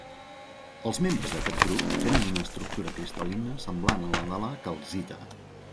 Els membres d'aquest grup tenen una estructura cristal·lina semblant a la de la calcita.